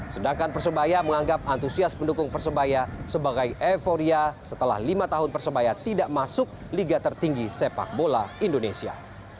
sedangkan persebaya menganggap antusias pendukung persebaya sebagai euforia setelah lima tahun persebaya tidak masuk liga tertinggi sepak bola indonesia